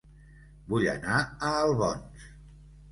Vull anar a Albons